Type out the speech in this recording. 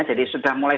jadi sudah mulai